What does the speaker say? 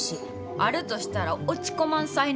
あるとしたら落ち込まん才能や。